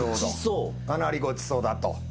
かなりごちそうだと。